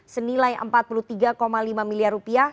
senilai rp empat puluh tiga lima miliar rupiah